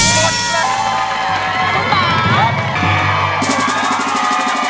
กดแล้ว